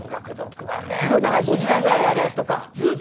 すごい長い５時間ぐらいあるやつとか。